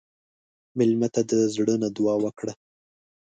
مېلمه ته د زړه نه دعا وکړه.